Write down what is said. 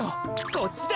こっちだ。